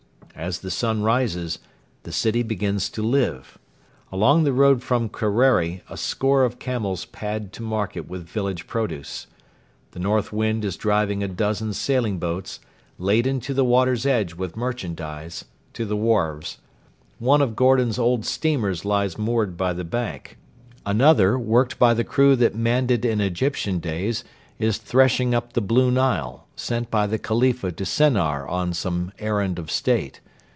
As the sun rises, the city begins to live. Along the road from Kerreri a score of camels pad to market with village produce. The north wind is driving a dozen sailing boats, laden to the water's edge with merchandise, to the wharves. One of Gordon's old steamers lies moored by the bank. Another, worked by the crew that manned it in Egyptian days, is threshing up the Blue Nile, sent by the Khalifa to Sennar on some errand of State.